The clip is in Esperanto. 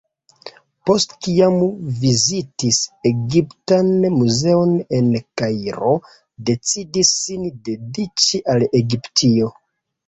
Post kiam vizitis Egiptan muzeon en Kairo decidis sin dediĉi al Egiptio.